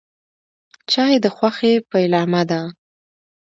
چای د خوښۍ پیلامه ده.